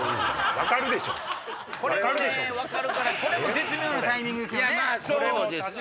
分かるからこれも絶妙なタイミングですよね。